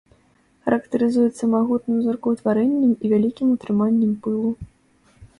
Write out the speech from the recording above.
Характарызуецца магутным зоркаўтварэннем і вялікім утрыманнем пылу.